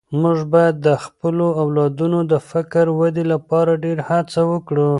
موږ باید د خپلو اولادونو د فکري ودې لپاره ډېره هڅه وکړو.